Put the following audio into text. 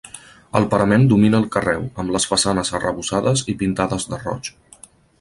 Al parament domina el carreu, amb les façanes arrebossades i pintades de roig.